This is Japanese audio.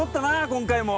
今回も。